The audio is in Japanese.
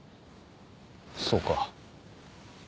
そうか。